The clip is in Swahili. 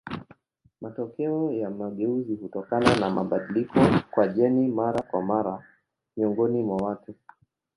Matokeo ya mageuzi hutokana na mabadiliko kwa jeni mara kwa mara miongoni mwa watu.